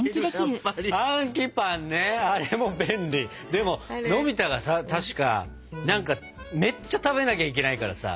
でものび太がさ確かめっちゃ食べなきゃいけないからさ。